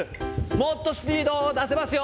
もっとスピードを出せますよ。